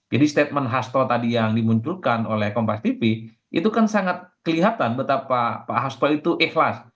jadi statement hasto tadi yang dimunculkan oleh kompas tv itu kan sangat kelihatan betapa pak hasto itu ikhlas